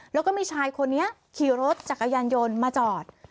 แล้วก็มีชายคนนี้ขี่รถจักรยานยนต์มาจอด